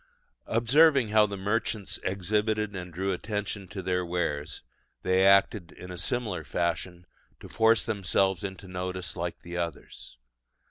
Observing how the merchants exhibited and drew attention to their wares, they acted in a similar fashion to force themselves into notice like the others.